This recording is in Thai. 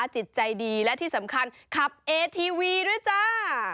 จิตใจดีและที่สำคัญขับเอทีวีด้วยจ้า